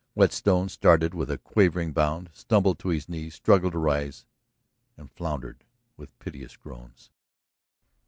Whetstone started with a quivering bound, stumbled to his knees, struggled to rise, then floundered with piteous groans.